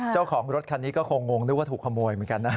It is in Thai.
เจ้าของรถคันนี้ก็คงงนึกว่าถูกขโมยเหมือนกันนะ